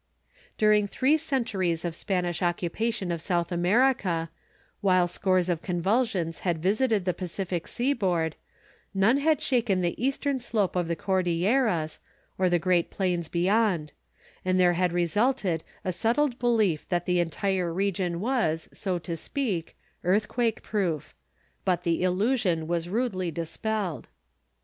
During three centuries of Spanish occupation of South America, while scores of convulsions had visited the Pacific seaboard, none had shaken the eastern slope of the Cordilleras, or the great plains beyond; and there had resulted a settled belief that the entire region was, so to speak, earthquake proof. But the illusion was rudely dispelled.